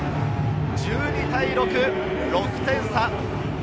１２対６、６点差。